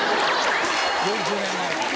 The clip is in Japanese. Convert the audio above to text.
４０年前。